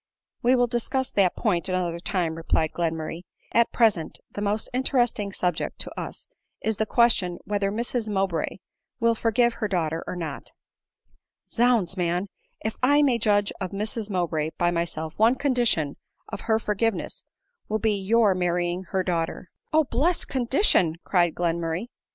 " We will discuss that point another time," replied Glenmurray ;" at present the most interesting subject to us is the question whether Mrs Mowbray will forgive her daughter or not ?"" Zounds, man, if I may Judge of Mrs Mowbray by myself, one condition of her forgiveness will be your mar rying her daughter." 10 106 ADELINE MOWBRAY. " O blest condition !" c ed Glenmurray.